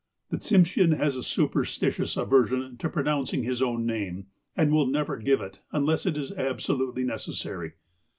A Tsimshean has a superstitious aversion to pronoun cing his own name, and will never give it, unless it is ab solutely necessary.